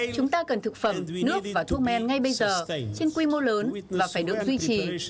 chúng ta cần thực phẩm nước và thuốc men ngay bây giờ trên quy mô lớn mà phải được duy trì